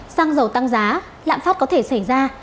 xăng dầu tăng giá lạm phát có thể xảy ra